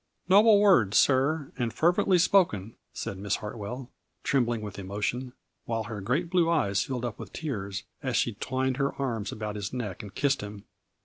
" Noble words, sir, and fervently spoken," said Miss Hartwell, trembling with emotion 1 , while her great blue eyes filled up with tears, as she twined her arms about his neck and kissed him.